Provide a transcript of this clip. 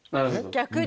逆に？